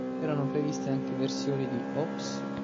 Erano previste anche versioni di "Oops!